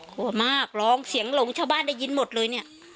กลัวมากร้องเสียงหลงชาวบ้านได้ยินหมดเลยเนี่ย